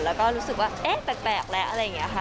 แล้วก็รู้สึกว่าเอ๊ะแปลกแล้วอะไรอย่างนี้ค่ะ